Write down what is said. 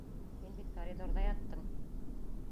Һин бит коридорҙа яттың.